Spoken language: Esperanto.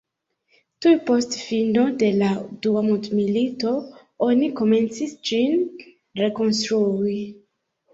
Tuj post fino de la dua mondmilito oni komencis ĝin rekonstrui.